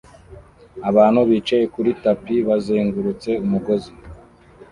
Abantu bicaye kuri tapi bazengurutse umugozi